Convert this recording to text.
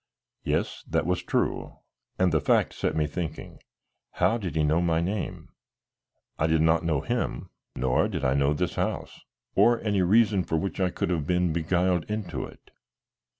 Yes, that was true, and the fact set me thinking. How did he know my name? I did not know him, nor did I know this house, or any reason for which I could have been beguiled into it.